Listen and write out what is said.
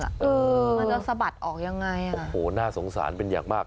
มันจะสะบัดออกยังไงอ่ะโอ้โหน่าสงสารเป็นอย่างมาก